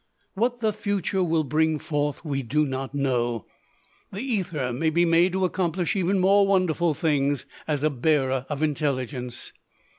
What the future will bring forth we do not know. The ether may be made to accomplish even more wonderful things as a bearer of intelligence.